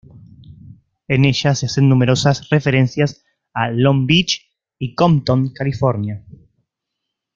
En ella se hacen numerosas referencias a Long Beach y Compton, California.